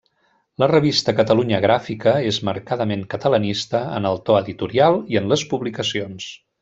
La revista Catalunya Gràfica és marcadament catalanista en el to editorial i en les publicacions.